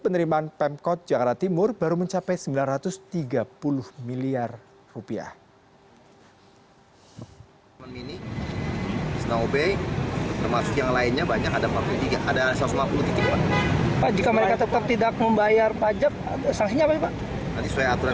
penerimaan pemkot jakarta timur baru mencapai rp sembilan ratus tiga puluh miliar